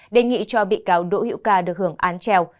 đề nghị cho bị cáo đỗ hữu ca được hưởng án treo